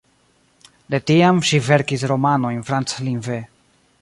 De tiam ŝi verkis romanojn franclingve.